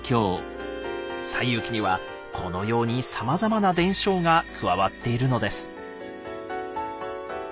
「西遊記」にはこのようにさまざまな伝承が加わっているのです。